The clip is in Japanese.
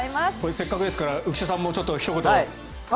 せっかくですから浮所さんもひと言。